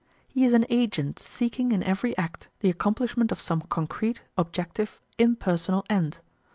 He is an agent seeking in every act the accomplishment of some concrete, objective, impersonal end.